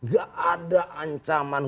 gak ada ancaman